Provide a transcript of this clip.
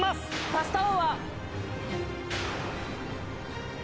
パスタ王は。